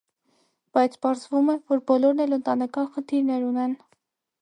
Բայց պարզվում է, որ բոլորն էլ ընտանեկան խնդիրներ ունեն։